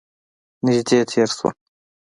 نژدې تیر شول